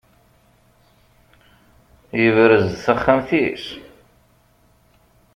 Yebrez-d taxxamt-is?